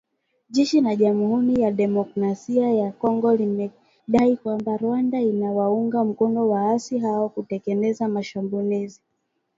Jeshi la Jamhuri ya Kidemokrasia ya Kongo limedai kwamba, Rwanda inawaunga mkono waasi hao kutekeleza mashambulizi